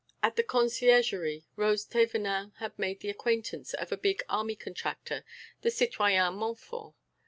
At the Conciergerie Rose Thévenin had made the acquaintance of a big army contractor, the citoyen Montfort.